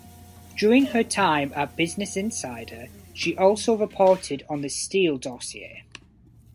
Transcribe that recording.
During her time at "Business Insider" she also reported on the Steele dossier.